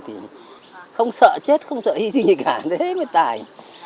thì không sợ chết không sợ hy sinh gì cả thế mới tài